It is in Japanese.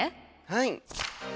はい。